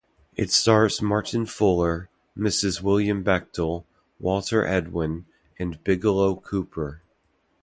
It stars Martin Fuller, Mrs. William Bechtel, Walter Edwin and Bigelow Cooper.